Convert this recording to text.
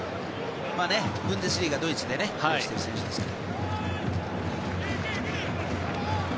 ブンデスリーガ、ドイツでプレーしている選手ですから。